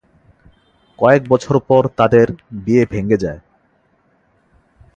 কয়েক বছর পর তাদের বিয়ে ভেঙে যায়।